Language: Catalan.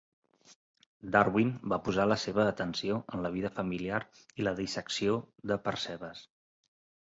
Darwin va posar la seva atenció en la vida familiar i la dissecció de percebes.